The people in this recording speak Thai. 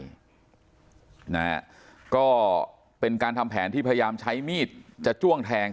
นะฮะก็เป็นการทำแผนที่พยายามใช้มีดจะจ้วงแทง